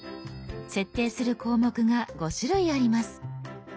設定する項目が５種類あります。